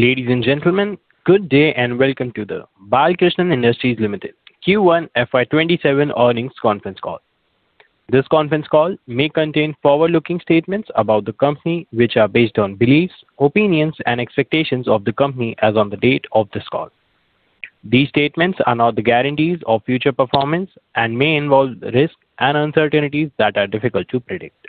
Ladies and gentlemen, good day and welcome to the Balkrishna Industries Limited Q1 FY 2027 earnings conference call. This conference call may contain forward-looking statements about the company, which are based on beliefs, opinions, and expectations of the company as on the date of this call. These statements are not the guarantees of future performance and may involve risks and uncertainties that are difficult to predict.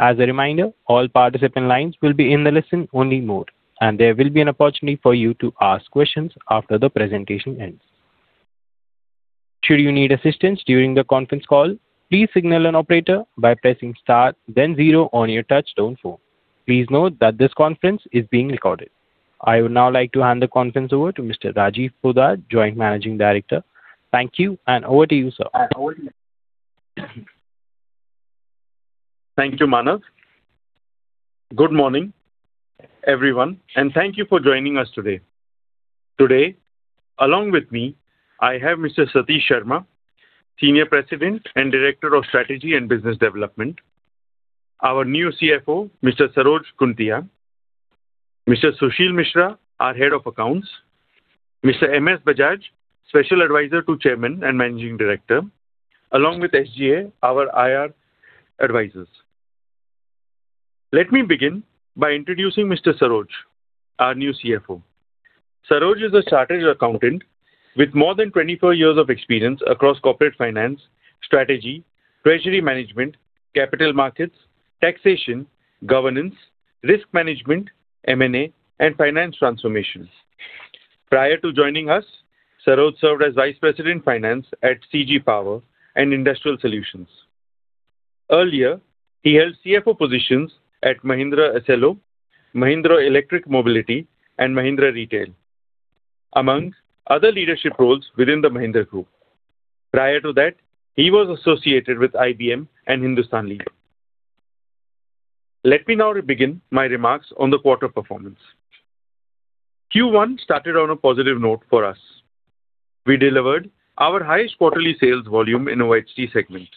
As a reminder, all participant lines will be in the listen only mode, and there will be an opportunity for you to ask questions after the presentation ends. Should you need assistance during the conference call, please signal an operator by pressing star then zero on your touchtone phone. Please note that this conference is being recorded. I would now like to hand the conference over to Mr. Rajiv Poddar, Joint Managing Director. Thank you, and over to you, sir. Thank you, Manav. Good morning, everyone, and thank you for joining us today. Today, along with me, I have Mr. Satish Sharma, Senior President and Director of Strategy and Business Development. Our new Chief Financial Officer, Mr. Saroj Khuntia, Mr. Sushil Mishra, our Head of Accounts, Mr. M. S. Bajaj, Special Advisor to Chairman and Managing Director, along with SGA, our IR advisors. Let me begin by introducing Mr. Saroj, our new Chief Financial Officer. Saroj is a chartered accountant with more than 24 years of experience across corporate finance, strategy, treasury management, capital markets, taxation, governance, risk management, M&A, and finance transformations. Prior to joining us, Saroj served as Vice President of Finance at CG Power and Industrial Solutions. Earlier, he held Chief Financial Officer positions at Mahindra Accelo, Mahindra Electric Mobility, and Mahindra Retail, among other leadership roles within the Mahindra Group. Prior to that, he was associated with IBM and Hindustan Lever. Let me now begin my remarks on the quarter performance. Q1 started on a positive note for us. We delivered our highest quarterly sales volume in OHT segment.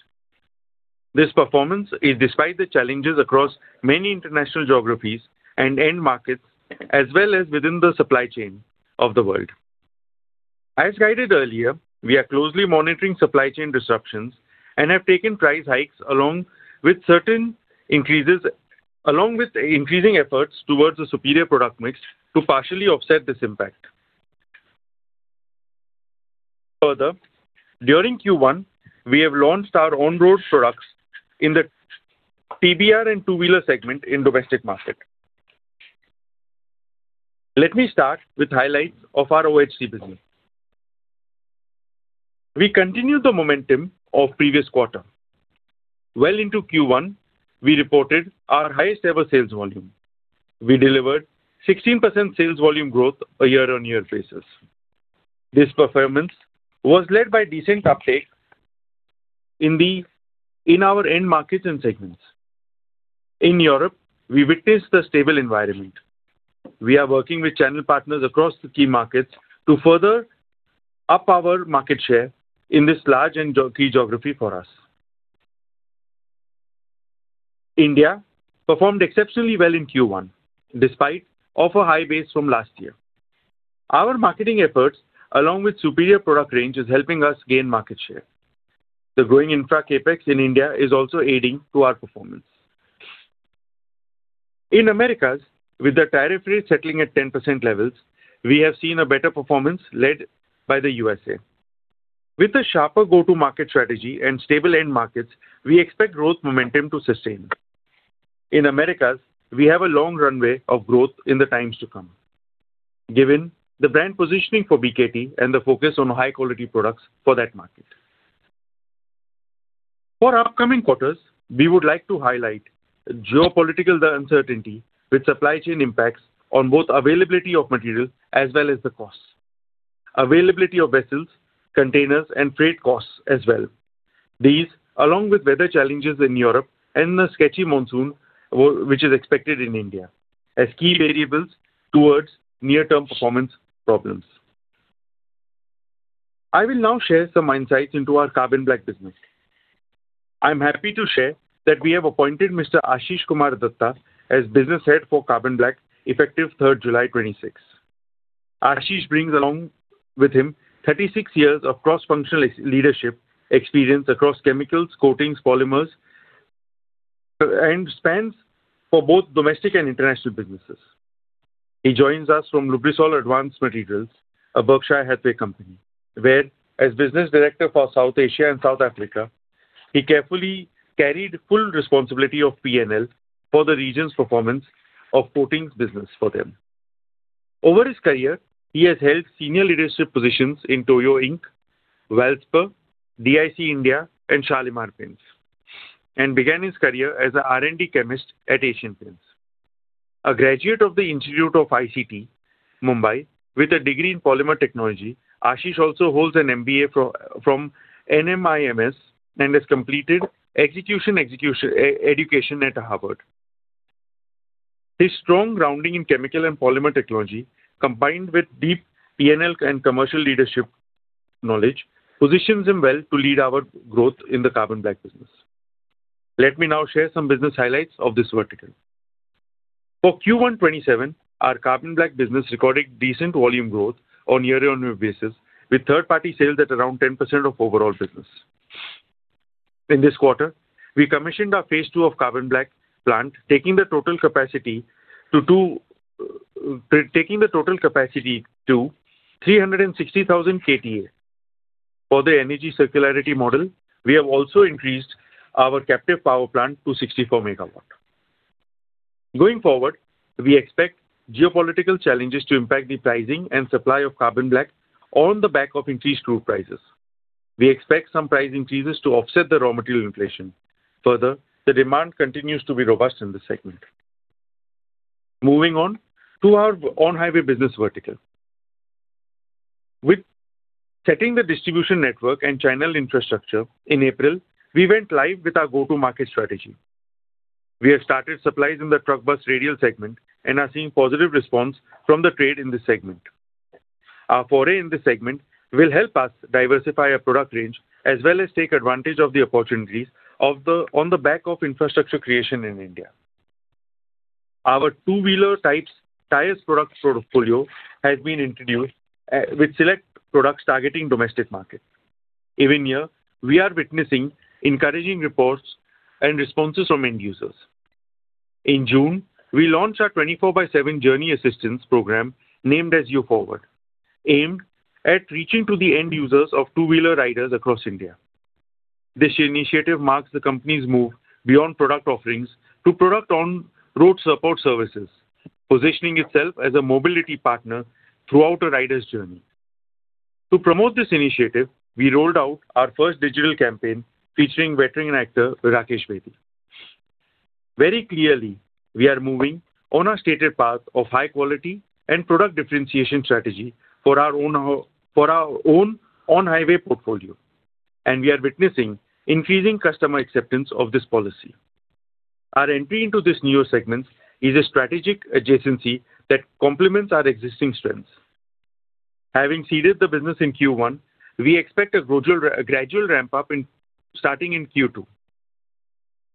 This performance is despite the challenges across many international geographies and end markets, as well as within the supply chain of the world. As guided earlier, we are closely monitoring supply chain disruptions and have taken price hikes, along with increasing efforts towards a superior product mix to partially offset this impact. Further, during Q1, we have launched our on-road products in the TBR and two-wheeler segment in domestic market. Let me start with highlights of our OHT business. We continued the momentum of previous quarter. Well into Q1, we reported our highest ever sales volume. We delivered 16% sales volume growth on a year-on-year basis. This performance was led by decent uptake in our end markets and segments. In Europe, we witnessed a stable environment. We are working with channel partners across the key markets to further up our market share in this large and key geography for us. India performed exceptionally well in Q1 despite off a high base from last year. Our marketing efforts, along with superior product range, is helping us gain market share. The growing infra CapEx in India is also aiding to our performance. In Americas, with the tariff rate settling at 10% levels, we have seen a better performance led by the USA. With a sharper go-to market strategy and stable end markets, we expect growth momentum to sustain. In Americas, we have a long runway of growth in the times to come, given the brand positioning for BKT and the focus on high-quality products for that market. For upcoming quarters, we would like to highlight geopolitical uncertainty with supply chain impacts on both availability of materials as well as the costs, availability of vessels, containers, and freight costs as well. These, along with weather challenges in Europe and the sketchy monsoon, which is expected in India as key variables towards near-term performance problems. I will now share some insights into our carbon black business. I am happy to share that we have appointed Mr. Ashish Kumar Dutta as Business Head for Carbon Black effective third July 2026. Ashish brings along with him 36 years of cross-functional leadership experience across chemicals, coatings, polymers, and spans for both domestic and international businesses. He joins us from Lubrizol Advanced Materials, a Berkshire Hathaway company, where as business director for South Asia and South Africa, he carefully carried full responsibility of P&L for the region's performance of coatings business for them. Over his career, he has held senior leadership positions in Toyo Ink, Welspun, DIC India, and Shalimar Paints, and began his career as an R&D chemist at Asian Paints. A graduate of the Institute of ICT, Mumbai, with a degree in polymer technology, Ashish also holds an MBA from NMIMS and has completed Executive Education at Harvard. His strong grounding in chemical and polymer technology, combined with deep P&L and commercial leadership knowledge, positions him well to lead our growth in the carbon black business. Let me now share some business highlights of this vertical. For Q1 FY 2027, our carbon black business recorded decent volume growth on year-on-year basis, with third-party sales at around 10% of overall business. In this quarter, we commissioned our phase two of carbon black plant, taking the total capacity to 360,000 KTA. For the energy circularity model, we have also increased our captive power plant to 64 MW. Going forward, we expect geopolitical challenges to impact the pricing and supply of carbon black on the back of increased crude prices. We expect some price increases to offset the raw material inflation. Further, the demand continues to be robust in this segment. Moving on to our on-highway business vertical. With setting the distribution network and channel infrastructure in April, we went live with our go-to-market strategy. We have started supplies in the truck bus radial segment and are seeing positive response from the trade in this segment. Our foray in this segment will help us diversify our product range, as well as take advantage of the opportunities on the back of infrastructure creation in India. Our two-wheeler tires product portfolio has been introduced with select products targeting domestic market. Even here, we are witnessing encouraging reports and responses from end users. In June, we launched our 24/7 journey assistance program named as U-Forward, aimed at reaching to the end users of two-wheeler riders across India. This initiative marks the company's move beyond product offerings to product on-road support services, positioning itself as a mobility partner throughout a rider's journey. To promote this initiative, we rolled out our first digital campaign featuring veteran actor Rakesh Bedi. Very clearly, we are moving on our stated path of high quality and product differentiation strategy for our own on-highway portfolio, and we are witnessing increasing customer acceptance of this policy. Our entry into this newer segment is a strategic adjacency that complements our existing strengths. Having seeded the business in Q1, we expect a gradual ramp-up starting in Q2.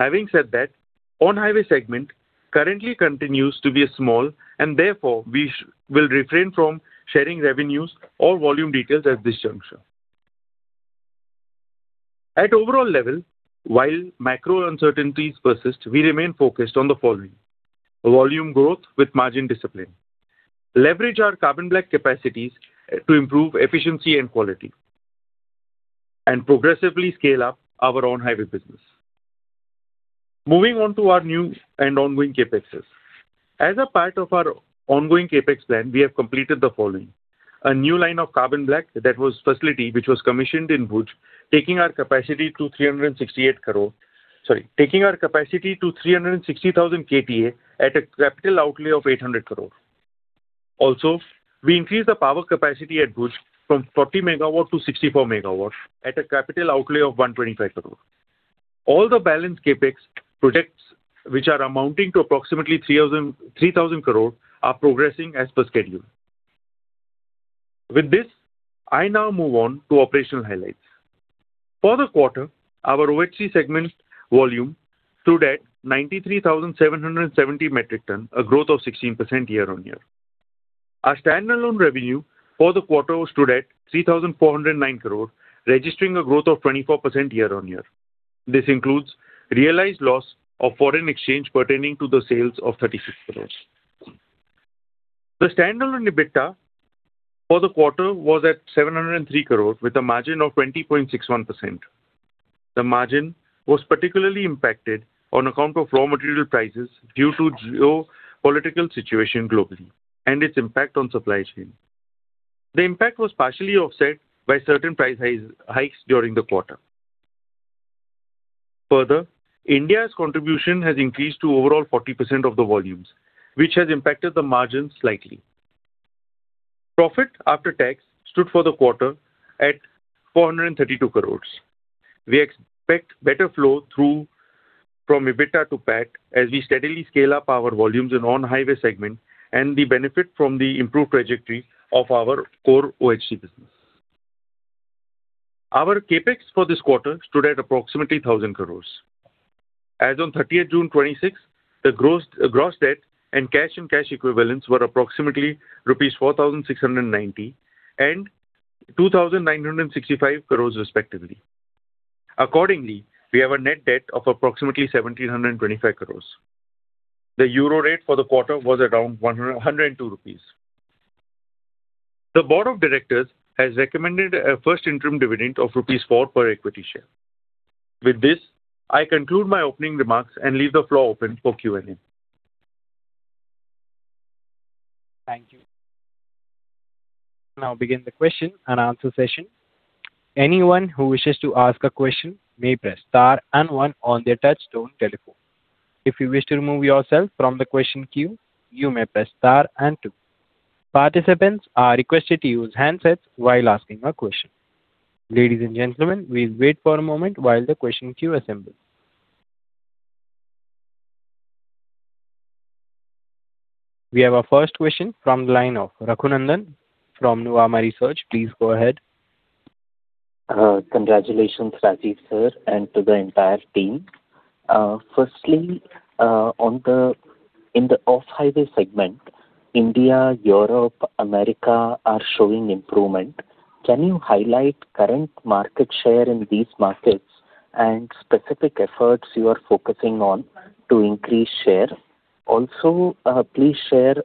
Having said that, on-highway segment currently continues to be small. Therefore, we will refrain from sharing revenues or volume details at this juncture. At overall level, while macro uncertainties persist, we remain focused on the following: volume growth with margin discipline, leverage our carbon black capacities to improve efficiency and quality, and progressively scale up our on-highway business. Moving on to our new and ongoing CapExes. As a part of our ongoing CapEx plan, we have completed the following: a new line of carbon black facility, which was commissioned in Bhuj, taking our capacity to 360,000 KTA at a capital outlay of INR 800 crore. We increased the power capacity at Bhuj from 40 MW to 64 MW at a capital outlay of 125 crore. All the balanced CapEx projects, which are amounting to approximately 3,000 crore, are progressing as per schedule. With this, I now move on to operational highlights. For the quarter, our OHT segment volume stood at 93,770 metric tons, a growth of 16% year-on-year. Our standalone revenue for the quarter stood at 3,409 crore, registering a growth of 24% year-on-year. This includes realized loss of foreign exchange pertaining to the sales of 36 crore. The standalone EBITDA for the quarter was at 703 crore, with a margin of 20.61%. The margin was particularly impacted on account of raw material prices due to geopolitical situation globally and its impact on supply chain. The impact was partially offset by certain price hikes during the quarter. India's contribution has increased to overall 40% of the volumes, which has impacted the margin slightly. Profit after tax stood for the quarter at 432 crore. We expect better flow from EBITDA to PAT as we steadily scale up our volumes in on-highway segment and the benefit from the improved trajectory of our core OHT business. Our CapEx for this quarter stood at approximately 1,000 crore. As on June 30, 2026, the gross debt and cash and cash equivalents were approximately rupees 4,690 crore and 2,965 crore respectively. Accordingly, we have a net debt of approximately 1,725 crore. The euro rate for the quarter was around 102 rupees. The board of directors has recommended a first interim dividend of rupees 4 per equity share. With this, I conclude my opening remarks and leave the floor open for Q&A. Thank you. We now begin the question-and-answer session. Anyone who wishes to ask a question may press star and one on their touchtone telephone. If you wish to remove yourself from the question queue, you may press star and two. Participants are requested to use handsets while asking a question. Ladies and gentlemen, we'll wait for a moment while the question queue assembles. We have our first question from the line of Raghunandhan from Nuvama Research. Please go ahead. Congratulations, Rajiv, sir, and to the entire team. In the off-highway segment, India, Europe, America are showing improvement. Can you highlight current market share in these markets and specific efforts you are focusing on to increase share? Please share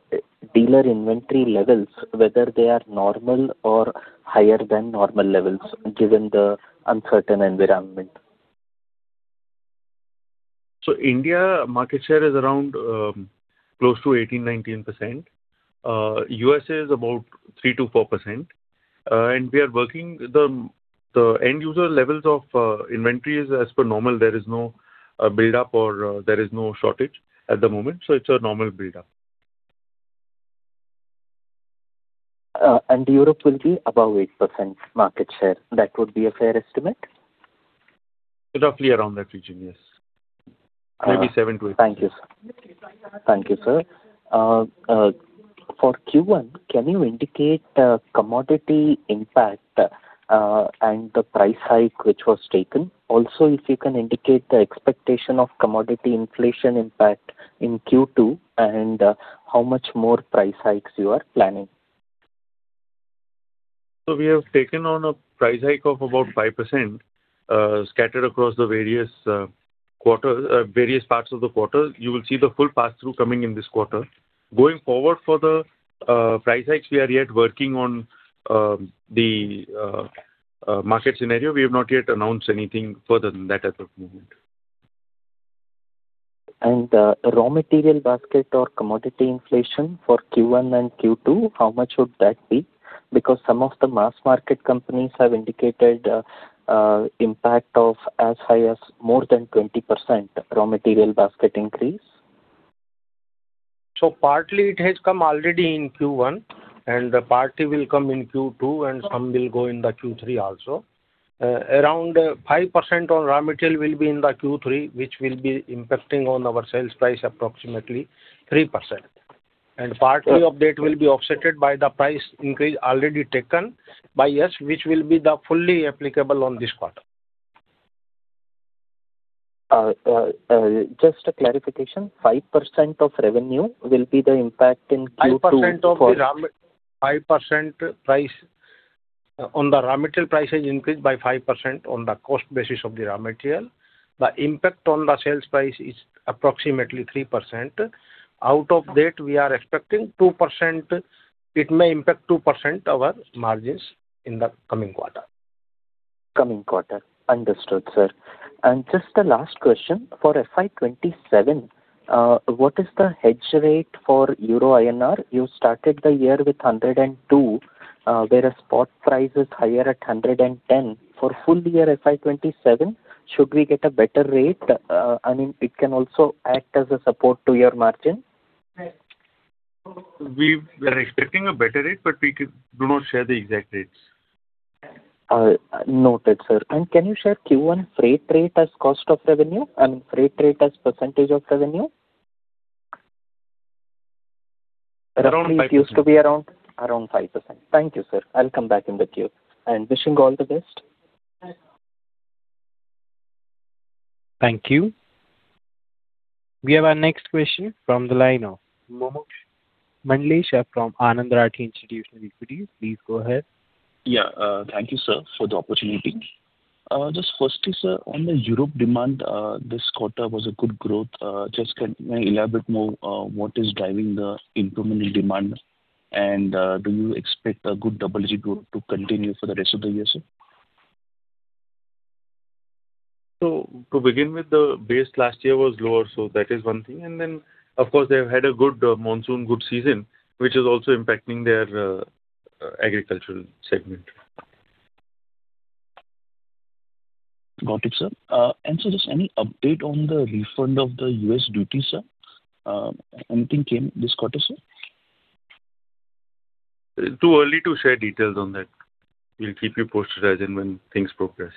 dealer inventory levels, whether they are normal or higher than normal levels, given the uncertain environment. India market share is around close to 18%-19%. U.S.A. is about 3%-4%. We are working the end-user levels of inventories as per normal. There is no buildup or there is no shortage at the moment. It's a normal buildup. Europe will be above 8% market share. That would be a fair estimate? Roughly around that region, yes. Maybe 7%-8%. Thank you, sir. For Q1, can you indicate the commodity impact, and the price hike which was taken? Also, if you can indicate the expectation of commodity inflation impact in Q2, and how much more price hikes you are planning. We have taken on a price hike of about 5%, scattered across the various parts of the quarter. You will see the full passthrough coming in this quarter. Going forward for the price hikes, we are yet working on the market scenario. We have not yet announced anything further than that at the moment. The raw material basket or commodity inflation for Q1 and Q2, how much would that be? Because some of the mass market companies have indicated impact of as high as more than 20% raw material basket increase. Partly it has come already in Q1, and partly will come in Q2 and some will go in the Q3 also. Around 5% on raw material will be in the Q3, which will be impacting on our sales price approximately 3%. Partly of that will be offsetted by the price increase already taken by us, which will be the fully applicable on this quarter. Just a clarification, 5% of revenue will be the impact in Q2. 5% price on the raw material prices increased by 5% on the cost basis of the raw material. The impact on the sales price is approximately 3%. Out of that, we are expecting 2%. It may impact 2% our margins in the coming quarter. Coming quarter. Understood, sir. Just the last question, for FY 2027, what is the hedge rate for EUR INR? You started the year with 102, whereas spot price is higher at 110. For full year FY 2027, should we get a better rate? It can also act as a support to your margin. We were expecting a better rate, we do not share the exact rates. Noted, sir. Can you share Q1 freight rate as cost of revenue, I mean, freight rate as percentage of revenue? Around 5%. It used to be around 5%. Thank you, sir. I'll come back in the queue. Wishing all the best. Thank you. We have our next question from the line of Mumuksh Mandlesha from Anand Rathi Institutional Equities. Please go ahead. Yeah. Thank you, sir, for the opportunity. Firstly, sir, on the Europe demand, this quarter was a good growth. Can you elaborate more what is driving the improvement in demand? Do you expect a good double-digit growth to continue for the rest of the year, sir? To begin with, the base last year was lower, so that is one thing. Then of course, they've had a good monsoon, good season, which is also impacting their agricultural segment. Got it, sir, just any update on the refund of the U.S. duty, sir? Anything came this quarter, sir? Too early to share details on that. We'll keep you posted, when things progress.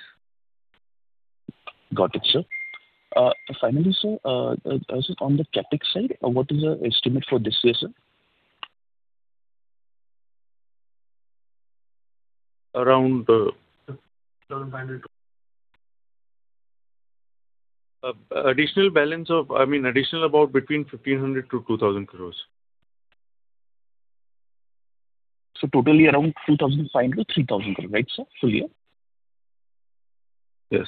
Got it, sir. Finally, sir, on the CapEx side, what is your estimate for this year, sir? Additional about between 1,500 crore-2,000 crore. Totally around 2,500 crore-3,000 crore, right, sir? Full year. Yes.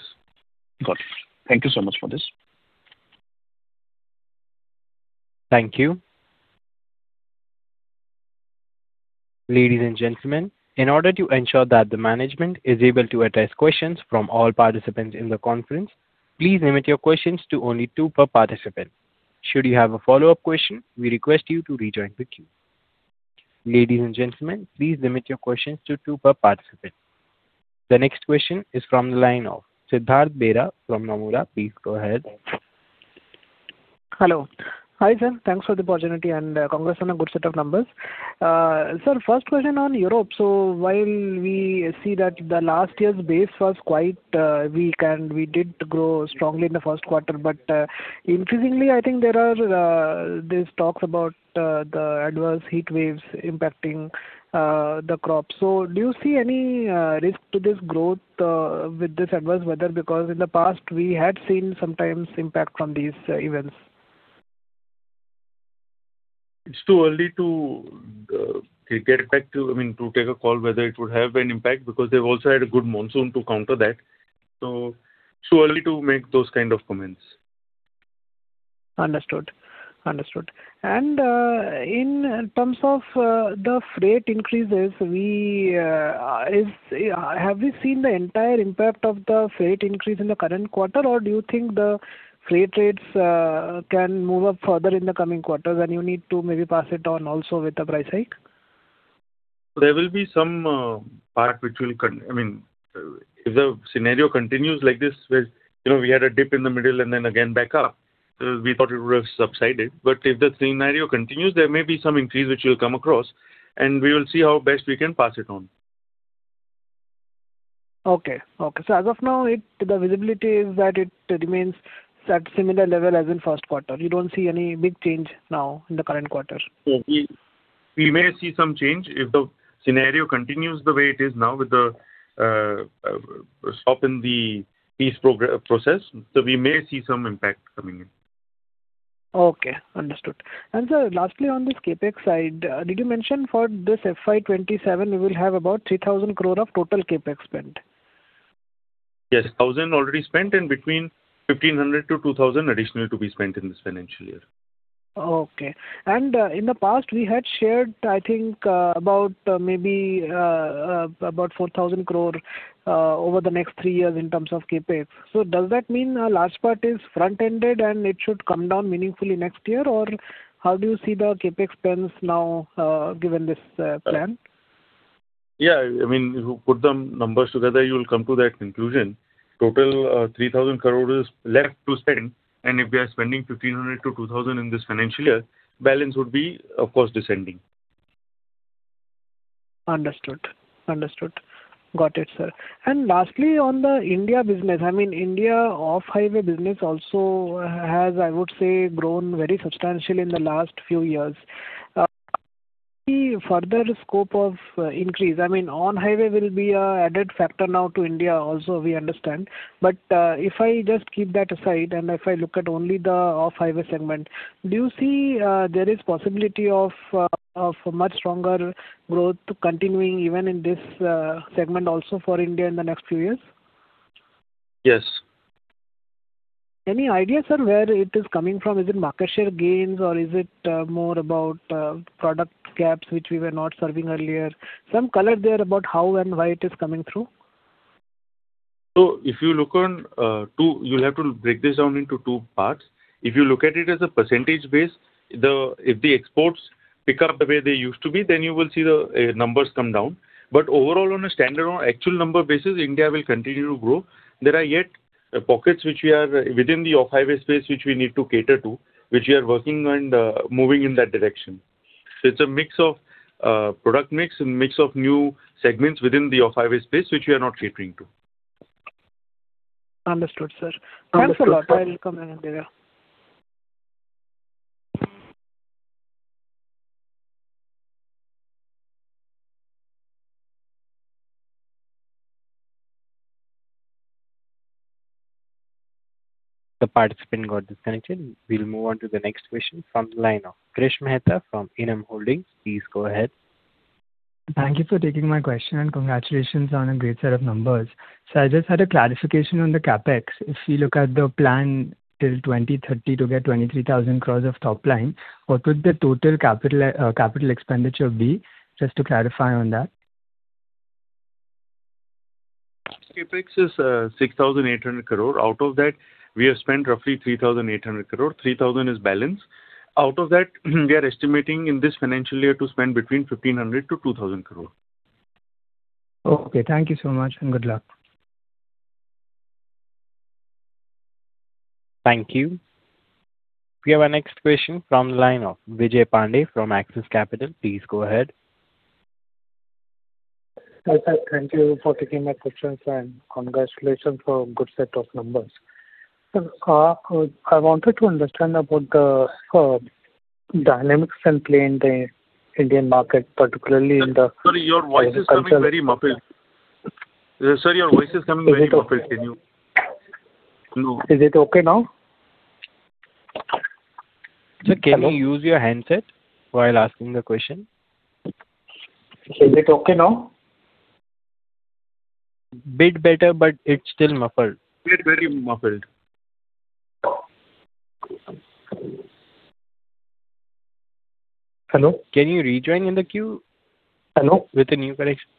Got it. Thank you so much for this. Thank you. Ladies and gentlemen, in order to ensure that the management is able to address questions from all participants in the conference, please limit your questions to only two per participant. Should you have a follow-up question, we request you to rejoin the queue. Ladies and gentlemen, please limit your questions to two per participant. The next question is from the line of Siddhartha Bera from Nomura. Please go ahead. Hello. Hi, sir. Thanks for the opportunity and congrats on a good set of numbers. Sir, first question on Europe. While we see that the last year's base was quite weak and we did grow strongly in the first quarter, but increasingly, I think there are these talks about the adverse heat waves impacting the crops. Do you see any risk to this growth with this adverse weather? Because in the past, we had seen sometimes impact from these events. It's too early to take a call whether it would have an impact, because they've also had a good monsoon to counter that. Too early to make those kind of comments. Understood. In terms of the freight increases, have we seen the entire impact of the freight increase in the current quarter, or do you think the freight rates can move up further in the coming quarters and you need to maybe pass it on also with the price hike? There will be some part which will. If the scenario continues like this, where we had a dip in the middle and then again back up, we thought it would have subsided. If the scenario continues, there may be some increase which we will come across, and we will see how best we can pass it on. As of now, the visibility is that it remains at similar level as in first quarter. You do not see any big change now in the current quarter. We may see some change if the scenario continues the way it is now with the stop in the peace process. We may see some impact coming in. Understood. Sir, lastly, on this CapEx side, did you mention for this FY 2027 you will have about 3,000 crore of total CapEx spend? Yes, 1,000 crore already spent and between 1,500 crore-2,000 crore additional to be spent in this financial year. Okay. In the past we had shared, I think, about maybe 4,000 crore over the next three years in terms of CapEx. Does that mean a large part is front-ended and it should come down meaningfully next year? How do you see the CapEx spends now given this plan? Yeah, if you put the numbers together, you will come to that conclusion. Total 3,000 crore is left to spend, and if we are spending 1,500 crore-2,000 crore in this financial year, balance would be, of course, descending. Understood. Got it, sir. Lastly, on the India business. India off-highway business also has, I would say, grown very substantially in the last few years. Any further scope of increase? On-highway will be an added factor now to India also, we understand. If I just keep that aside and if I look at only the off-highway segment, do you see there is possibility of much stronger growth continuing even in this segment also for India in the next few years? Yes. Any idea, sir, where it is coming from? Is it market share gains or is it more about product gaps which we were not serving earlier? Some color there about how and why it is coming through. You'll have to break this down into two parts. If you look at it as a percentage base, if the exports pick up the way they used to be, then you will see the numbers come down. Overall, on a standalone actual number basis, India will continue to grow. There are yet pockets within the Off-Highway space which we need to cater to, which we are working on moving in that direction. It's a mix of product mix and mix of new segments within the Off-Highway space which we are not catering to. Understood, sir. Thanks a lot. I will come in India. The participant got disconnected. We'll move on to the next question from the line of Girish Mehta from Edelweiss Holdings. Please go ahead. Thank you for taking my question and congratulations on a great set of numbers. Sir, I just had a clarification on the CapEx. If we look at the plan till 2030 to get 23,000 crore of top line, what would the total capital expenditure be? Just to clarify on that. CapEx is 6,800 crore. Out of that, we have spent roughly 3,800 crore. 3,000 is balance. Out of that we are estimating in this financial year to spend between 1,500 crore-2,000 crore. Okay. Thank you so much and good luck. Thank you. We have our next question from the line of Vijay Pandey from Axis Capital. Please go ahead. Hi, sir. Thank you for taking my questions and congratulations for good set of numbers. Sir, I wanted to understand about the dynamics at play in the Indian market, particularly in the. Sorry, your voice is coming very muffled. Sir, your voice is coming very muffled. Can you? Is it okay now? Sir, can you use your handset while asking the question? Is it okay now? Bit better, but it's still muffled. Still very muffled. Hello? Can you rejoin in the queue? Hello. With a new connection.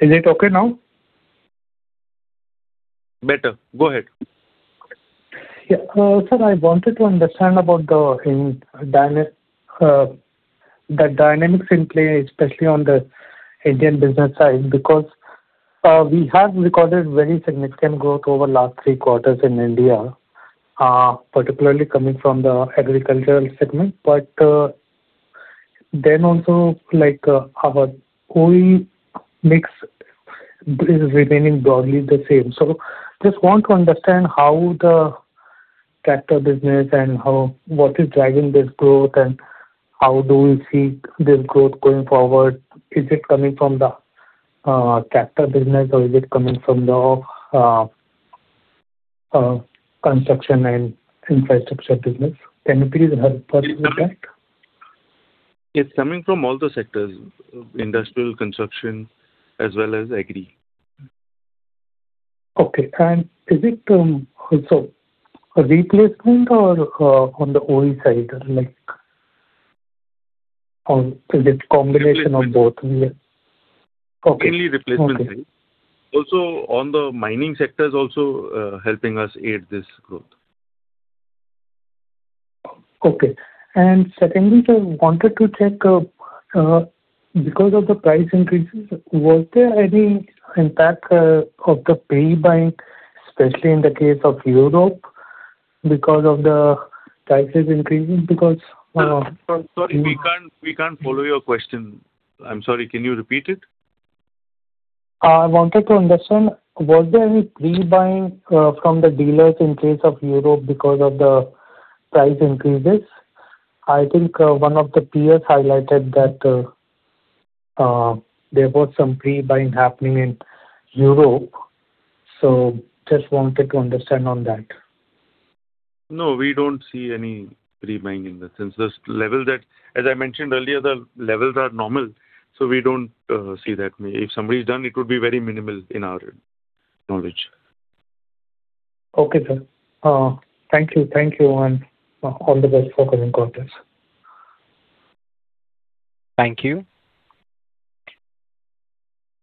Is it okay now? Better. Go ahead. Yeah. Sir, I wanted to understand about the dynamic The dynamics in play, especially on the Indian business side, because we have recorded very significant growth over last three quarters in India, particularly coming from the agricultural segment. Also our OE mix is remaining broadly the same. Just want to understand how the tractor business and what is driving this growth, and how do we see this growth going forward? Is it coming from the tractor business or is it coming from the construction and infrastructure business? Can you please help us with that? It's coming from all the sectors, industrial, construction, as well as agri. Okay. Is it also a replacement or on the OE side? Is it combination of both? Okay. Mainly replacement. Also on the mining sectors also helping us aid this growth. Okay. Secondly, sir, wanted to check, because of the price increases, was there any impact of the pre-buying, especially in the case of Europe because of the prices increasing? Sorry, we can't follow your question. I'm sorry, can you repeat it? I wanted to understand, was there any pre-buying from the dealers in case of Europe because of the price increases? I think one of the peers highlighted that there was some pre-buying happening in Europe, so just wanted to understand on that. No, we don't see any pre-buying in that sense. As I mentioned earlier, the levels are normal, so we don't see that. If somebody's done, it would be very minimal in our knowledge. Okay, sir. Thank you. All the best for coming quarters. Thank you.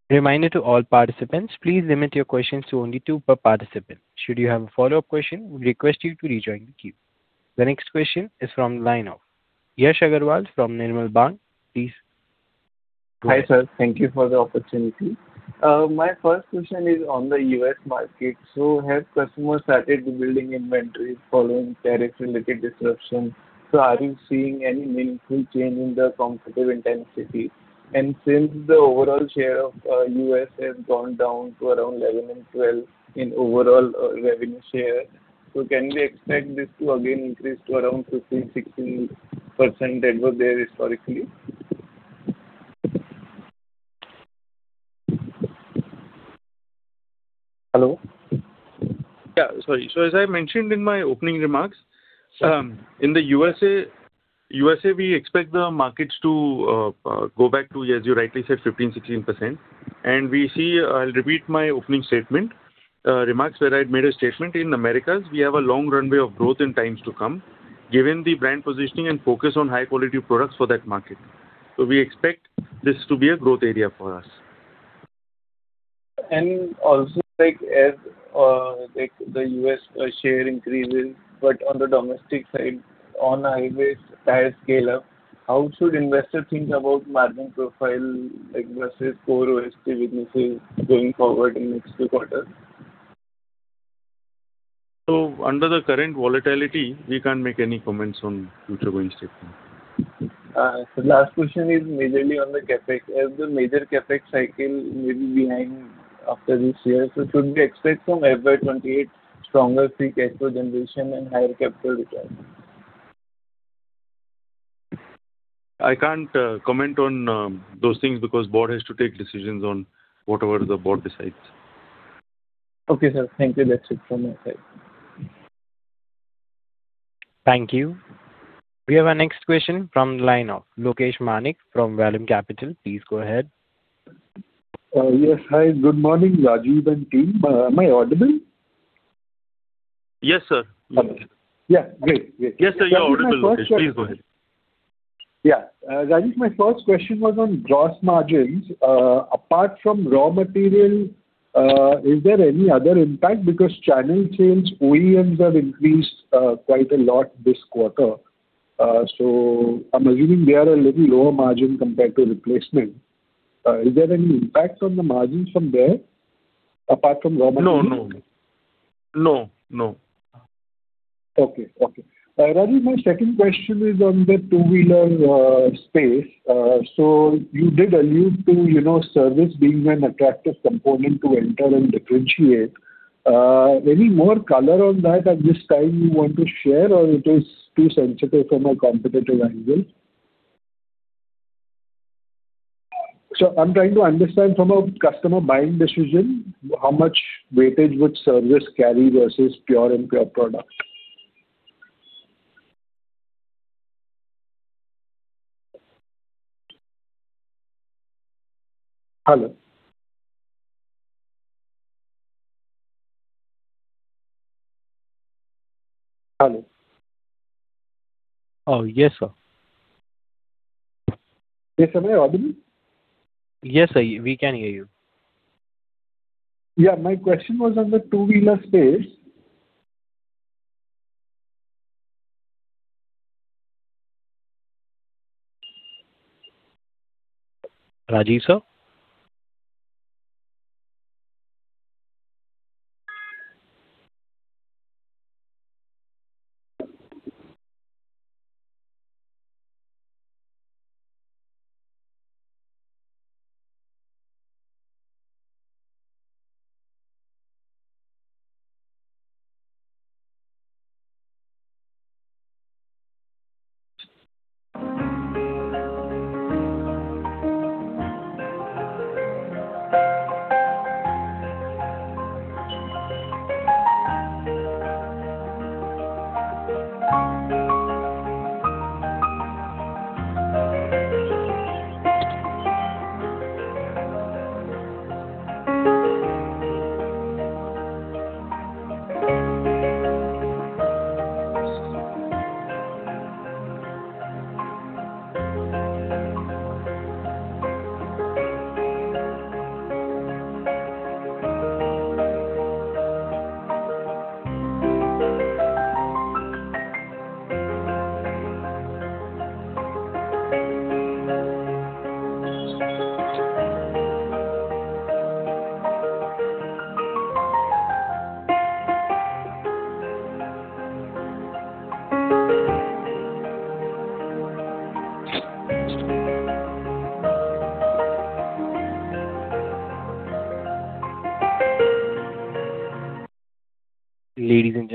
Reminder to all participants, please limit your questions to only two per participant. Should you have a follow-up question, we request you to rejoin the queue. The next question is from the line of Yash Agrawal from Nirmal Bang. Please. Hi, sir. Thank you for the opportunity. My first question is on the U.S. market. Have customers started building inventories following tariff-related disruptions? Are you seeing any meaningful change in the competitive intensity? Since the overall share of U.S. has gone down to around 11% and 12% in overall revenue share, can we expect this to again increase to around 15%-16% that was there historically? Hello? Yeah, sorry. As I mentioned in my opening remarks, in the USA, we expect the markets to go back to, as you rightly said, 15%-16%. I'll repeat my opening statement, remarks where I'd made a statement. In Americas, we have a long runway of growth in times to come, given the brand positioning and focus on high-quality products for that market. We expect this to be a growth area for us. As the U.S. share increases, but on the domestic side, on highways, tires scale up, how should investors think about margin profile versus core OHT businesses going forward in next few quarters? Under the current volatility, we can't make any comments on future going statement. Last question is majorly on the CapEx. The major CapEx cycle may be behind after this year, should we expect from FY 2028 stronger free cash flow generation and higher capital return? I can't comment on those things because board has to take decisions on whatever the board decides. Okay, sir. Thank you. That's it from my side. Thank you. We have our next question from the line of Lokesh Manik from Vallum Capital. Please go ahead. Yes. Hi. Good morning, Rajiv and team. Am I audible? Yes, sir. Yeah. Great. Yes, sir. You're audible, Lokesh. Please go ahead. Yeah. Rajiv, my first question was on gross margins. Apart from raw material, is there any other impact? Because channel sales OEMs have increased quite a lot this quarter, so I'm assuming they are a little lower margin compared to replacement. Is there any impact on the margin from there apart from raw material? No. Okay. Rajiv, my second question is on the two-wheeler space. You did allude to service being an attractive component to enter and differentiate. Any more color on that at this time you want to share, or it is too sensitive from a competitive angle? I'm trying to understand from a customer buying decision, how much weightage would service carry versus pure and pure product. Yes, sir. Yes. Am I audible? Yes, sir, we can hear you. Yeah. My question was on the two-wheeler space Rajiv sir.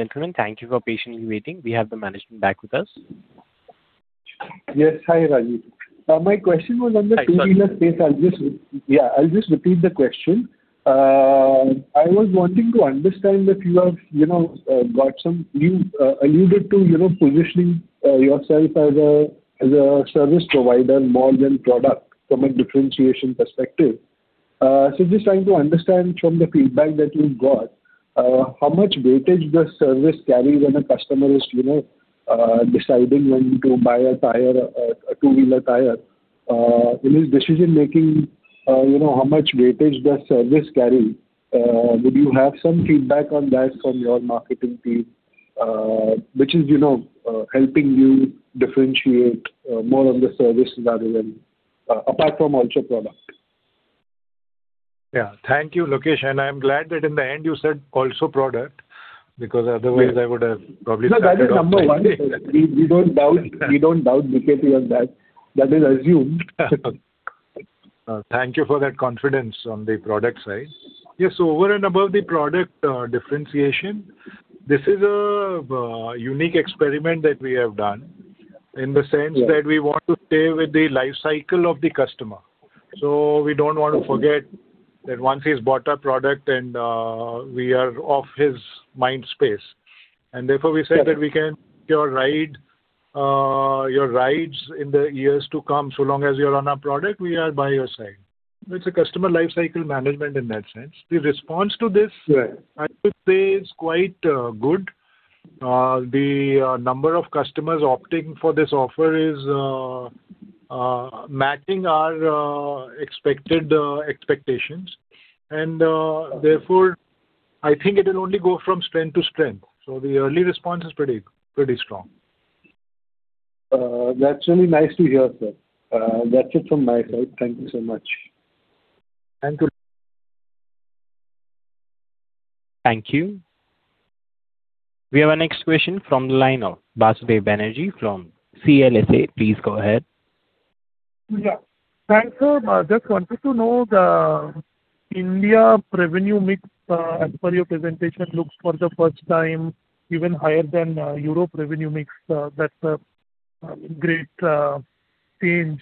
Ladies and gentlemen, thank you for patiently waiting. We have the management back with us. Yes. Hi, Rajiv. My question was on the two-wheeler space. I'll just repeat the question. I was wanting to understand that you have alluded to positioning yourself as a service provider more than product from a differentiation perspective. Just trying to understand from the feedback that you've got, how much weightage does service carry when a customer is deciding when to buy a two-wheeler tire. In his decision-making, how much weightage does service carry? Would you have some feedback on that from your marketing team, which is helping you differentiate more on the service rather than, apart from also product. Yeah. Thank you, Lokesh, and I'm glad that in the end you said also product, because otherwise I would have probably. No, that is number one. We don't doubt BKT on that. That is assumed. Thank you for that confidence on the product side. Yes, over and above the product differentiation, this is a unique experiment that we have done in the sense that we want to stay with the life cycle of the customer. We don't want to forget that once he's bought our product and we are off his mind space, and therefore we said that we can your rides in the years to come, so long as you're on our product, we are by your side. It's a customer life cycle management in that sense. The response to this. Right I would say it is quite good. The number of customers opting for this offer is matching our expectations and, therefore, I think it will only go from strength to strength. The early response is pretty strong. That's really nice to hear, sir. That's it from my side. Thank you so much. Thank you. Thank you. We have our next question from the line of Basudeb Banerjee from CLSA. Please go ahead. Yeah. Thanks, sir. Just wanted to know the India revenue mix, as per your presentation, looks for the first time even higher than Europe revenue mix. That's a great change.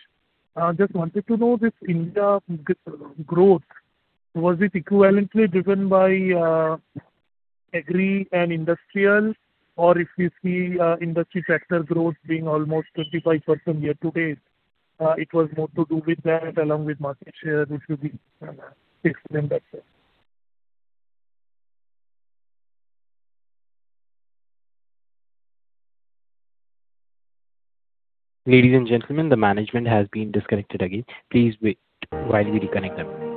Just wanted to know this India growth, was it equivalently driven by agri and industrial? Or if you see industry sector growth being almost 25% year to date, it was more to do with that along with market share, which will be fixed in that sense. Ladies and gentlemen, the management has been disconnected again. Please wait while we reconnect them.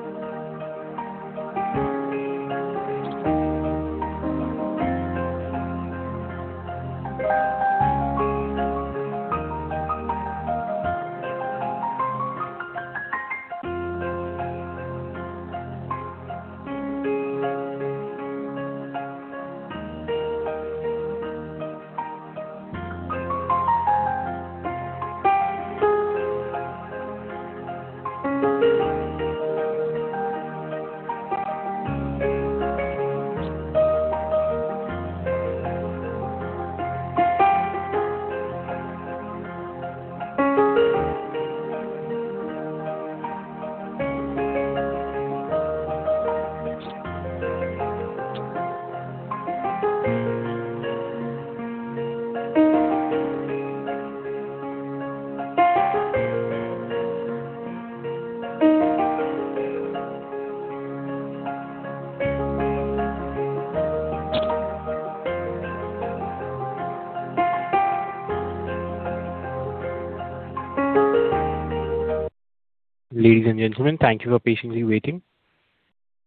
Ladies and gentlemen, thank you for patiently waiting.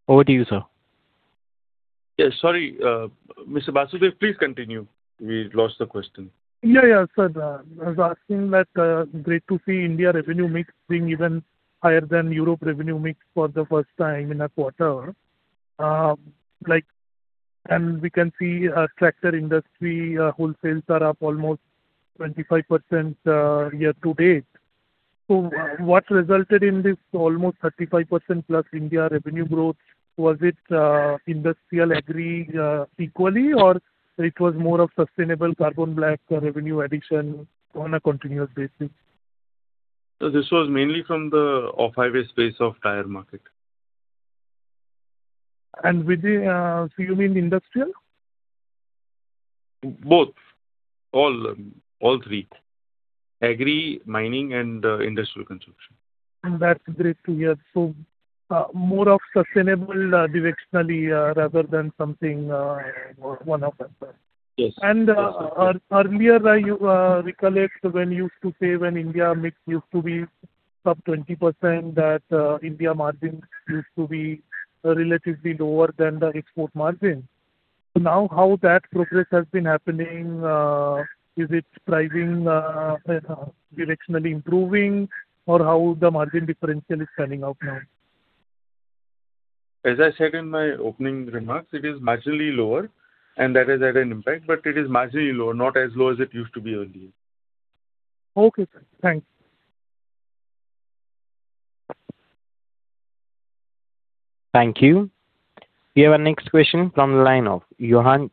Over to you, sir. Yes, sorry, Mr. Basudeb, please continue. We lost the question. Yeah. Sir, I was asking that great to see India revenue mix being even higher than Europe revenue mix for the first time in a quarter. We can see tractor industry wholesales are up almost 25% year to date. What resulted in this almost 35%+ India revenue growth? Was it industrial, agri equally, or it was more of sustainable carbon black revenue addition on a continuous basis? This was mainly from the off-highway space of tire market. You mean industrial? Both. All three. Agri, mining, and industrial consumption. That's great to hear. More of sustainable directionally rather than something one-off. Yes. Earlier I recollect when you used to say when India mix used to be sub 20%, that India margin used to be relatively lower than the export margin. Now how that progress has been happening? Is it directionally improving or how the margin differential is turning out now? As I said in my opening remarks, it is marginally lower and that has had an impact, but it is marginally lower, not as low as it used to be earlier. Okay, sir. Thank you. Thank you. We have our next question from the line of Johann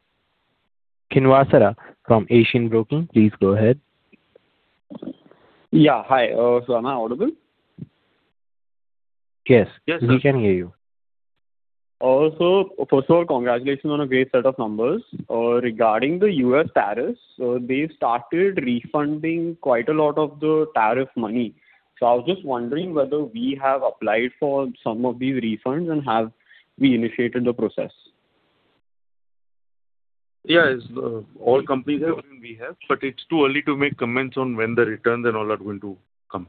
Kinwasara from Asian Broking. Please go ahead. Yeah, hi. Am I audible? Yes. Yes, sir. We can hear you. First of all, congratulations on a great set of numbers. Regarding the U.S. tariffs, they started refunding quite a lot of the tariff money. I was just wondering whether we have applied for some of these refunds and have we initiated the process? Yes. All companies have and we have, but it's too early to make comments on when the returns and all that are going to come.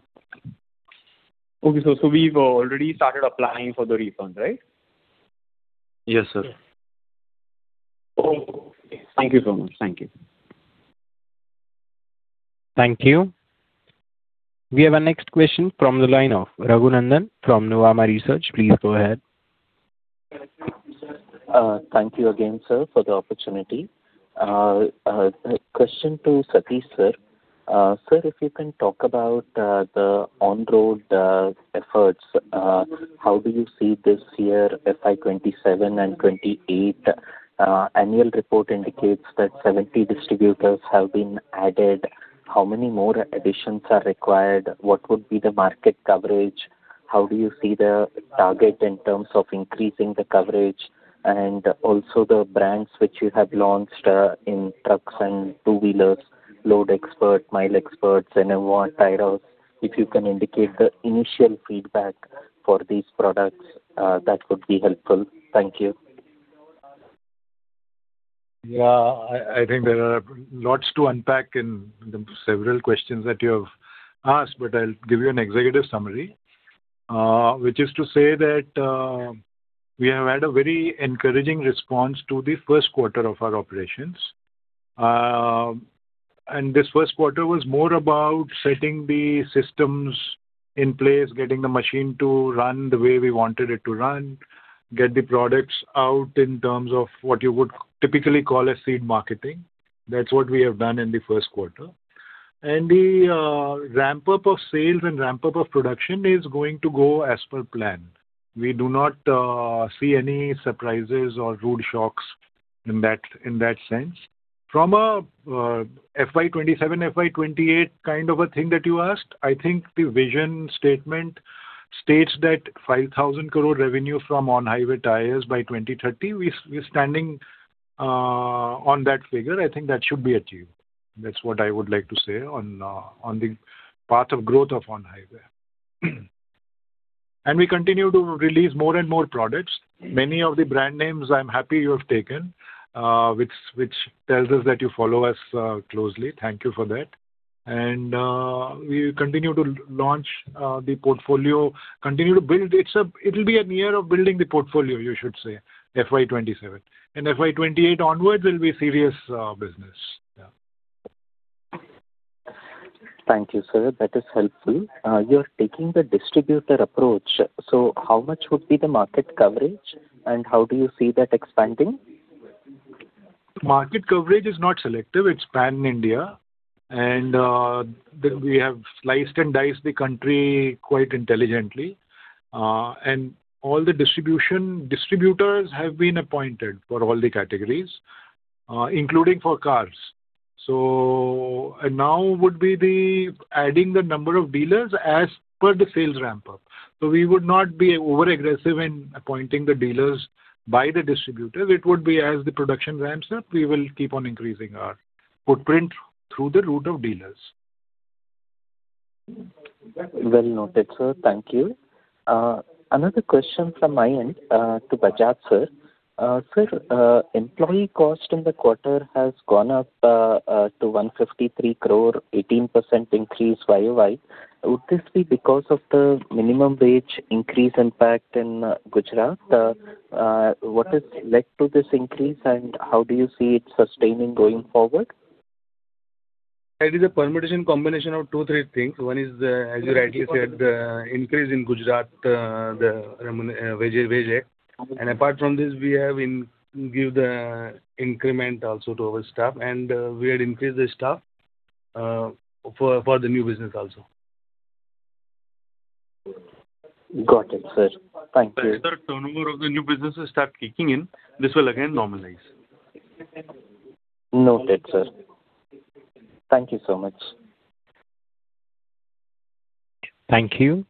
Okay. We've already started applying for the refund, right? Yes, sir. Okay. Thank you so much. Thank you. Thank you. We have our next question from the line of Raghunandhan N L from Nuvama Research. Please go ahead. Thank you again, sir, for the opportunity. Question to Satish, sir. Sir, if you can talk about the on-road efforts, how do you see this year, FY 2027 and 2028? Annual report indicates that 70 distributors have been added. How many more additions are required? What would be the market coverage? How do you see the target in terms of increasing the coverage? Also the brands which you have launched in trucks and two-wheelers, Loadxpert, Milexpert, Zenova tires, if you can indicate the initial feedback for these products that would be helpful. Thank you. I think there are lots to unpack in the several questions that you have asked, but I'll give you an executive summary, which is to say that we have had a very encouraging response to the first quarter of our operations. This first quarter was more about setting the systems in place, getting the machine to run the way we wanted it to run, get the products out in terms of what you would typically call a seed marketing. That's what we have done in the first quarter. The ramp-up of sales and ramp-up of production is going to go as per plan. We do not see any surprises or road shocks in that sense. From a FY 2027, FY 2028 kind of a thing that you asked, I think the vision statement states that 5,000 crore revenue from on-highway tires by 2030. We're standing on that figure. I think that should be achieved. That is what I would like to say on the path of growth of on-highway. We continue to release more and more products. Many of the brand names I am happy you have taken, which tells us that you follow us closely. Thank you for that. We continue to launch the portfolio, continue to build. It will be a year of building the portfolio, you should say, FY 2027. FY 2028 onwards will be serious business. Yeah. Thank you, sir. That is helpful. You are taking the distributor approach. How much would be the market coverage and how do you see that expanding? Market coverage is not selective. It is pan-India. We have sliced and diced the country quite intelligently. All the distributors have been appointed for all the categories, including for cars. Now would be the adding the number of dealers as per the sales ramp-up. We would not be over-aggressive in appointing the dealers by the distributor. It would be as the production ramps up, we will keep on increasing our footprint through the route of dealers. Well noted, sir. Thank you. Another question from my end to Bajaj, sir. Sir, employee cost in the quarter has gone up to 153 crore, 18% increase year-over-year. Would this be because of the minimum wage increase impact in Gujarat? What has led to this increase, and how do you see it sustaining going forward? It is a permutation combination of two, three things. One is, as you rightly said, the increase in Gujarat, the wage act. Apart from this, we have given the increment also to our staff. We had increased the staff for the new business also. Got it, sir. Thank you. As the turnover of the new businesses start kicking in, this will again normalize. Noted, sir. Thank you so much. Thank you.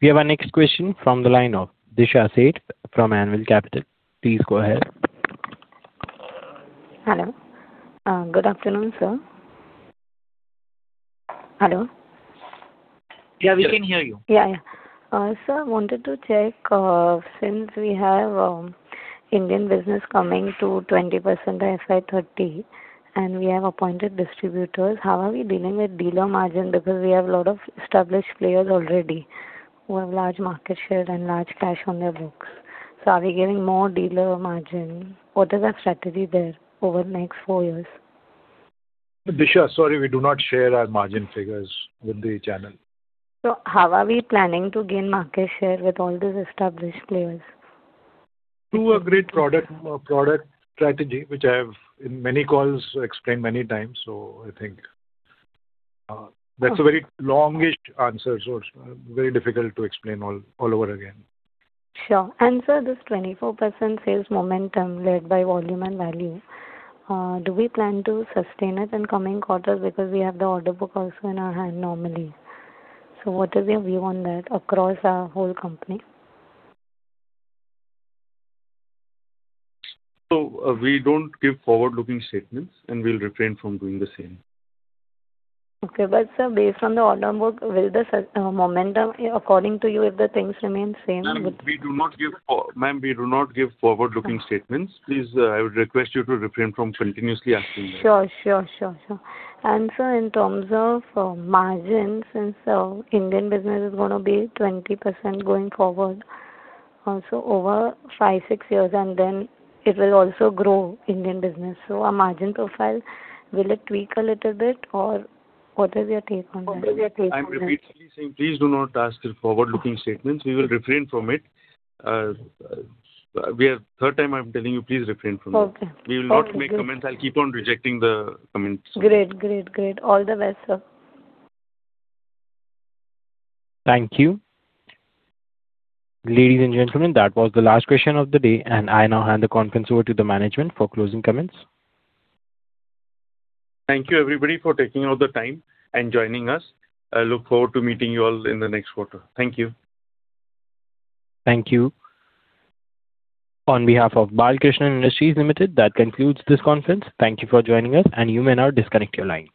We have our next question from the line of Disha Sheth from Anvil Capital. Please go ahead. Hello. Good afternoon, sir. Hello? Yeah, we can hear you. Yeah. Sir, wanted to check, since we have Indian business coming to 20% FY 2030, we have appointed distributors, how are we dealing with dealer margin? We have a lot of established players already who have large market share and large cash on their books. Are we giving more dealer margin? What is our strategy there over the next four years? Disha, sorry, we do not share our margin figures with the channel. How are we planning to gain market share with all these established players? Through a great product strategy, which I have, in many calls, explained many times. I think that's a very long-ish answer, so it's very difficult to explain all over again. Sure. Sir, this 24% sales momentum led by volume and value, do we plan to sustain it in coming quarters? We have the order book also in our hand normally. What is your view on that across our whole company? We don't give forward-looking statements, and we'll refrain from doing the same. Okay. Sir, based on the order book, will the momentum, according to you, if the things remain same? Ma'am, we do not give forward-looking statements. Please, I would request you to refrain from continuously asking that. Sure. Sir, in terms of margins, since Indian business is going to be 20% going forward, so over five, six years, and then it will also grow Indian business. Our margin profile, will it tweak a little bit, or what is your take on this? I'm repeatedly saying, please do not ask for forward-looking statements. We will refrain from it. Third time I'm telling you, please refrain from it. Okay. We will not make comments. I'll keep on rejecting the comments. Great. All the best, sir. Thank you. Ladies and gentlemen, that was the last question of the day, and I now hand the conference over to the management for closing comments. Thank you everybody for taking out the time and joining us. I look forward to meeting you all in the next quarter. Thank you. Thank you. On behalf of Balkrishna Industries Limited, that concludes this conference. Thank you for joining us, you may now disconnect your line.